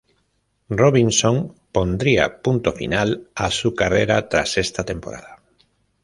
Robinson pondría punto final a su carrera tras esta temporada.